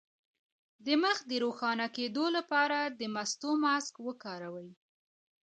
د مخ د روښانه کیدو لپاره د مستو ماسک وکاروئ